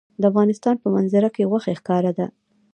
د افغانستان په منظره کې غوښې ښکاره ده.